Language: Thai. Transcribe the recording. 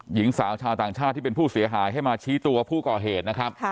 หญิงสาวชาวต่างชาติที่เป็นผู้เสียหายให้มาชี้ตัวผู้ก่อเหตุนะครับ